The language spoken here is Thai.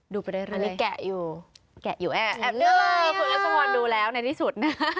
ดูไปเรื่อยอันนี้แกะอยู่แอบด้วยเลยคุณลักษมณ์ดูแล้วในที่สุดนะ